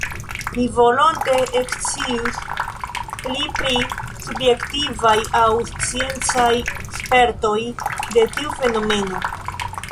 Mi volonte ekscius pli pri subjektivaj aŭ sciencaj spertoj de tiu fenomeno.